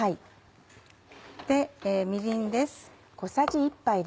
みりんです。